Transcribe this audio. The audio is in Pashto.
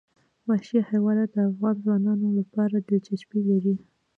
وحشي حیوانات د افغان ځوانانو لپاره دلچسپي لري.